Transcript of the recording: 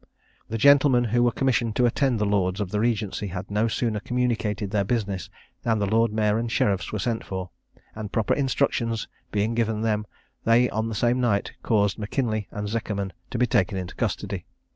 The gentlemen who were commissioned to attend the lords of the regency had no sooner communicated their business than the lord mayor and sheriffs were sent for; and proper instructions being given them, they on the same night caused M'Kinlie and Zekerman to be taken into custody.